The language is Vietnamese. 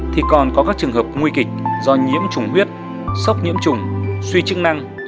thì còn có các trường hợp nguy kịch do nhiễm chủng huyết sốc nhiễm chủng suy chức năng